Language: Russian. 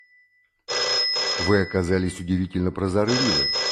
Вы оказались удивительно прозорливы.